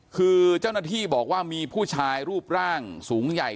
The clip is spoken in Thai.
คือเจ้าหน้าที่บอกว่ามีผู้ชายรูปร่างสูงใหญ่